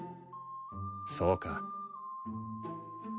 そうか。